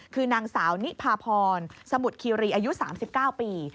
คือนางสาวนิพาพรสมุทรคีรีอายุ๓๙ปี